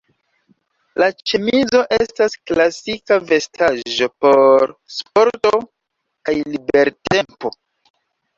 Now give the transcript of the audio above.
La ĉemizo estas klasika vestaĵo por sporto kaj libertempo.